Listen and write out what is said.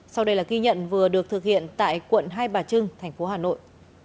sau đây là ghi nhận vừa được thực hiện tại quận hai bà trưng thành phố hà nội